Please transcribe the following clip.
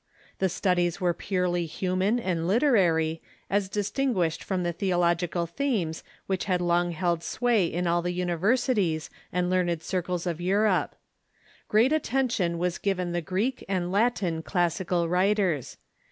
The studies were pure ly human and literary, as distinguished from the theological themes wliich had long held sway in all the universities and learned circles of Eurojje. Great attention was given the Greek and Latin classical writers.